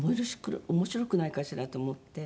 面白くないかしら？と思って。